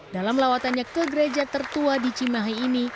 dalam lawatannya ke gereja tertua di cimahi ini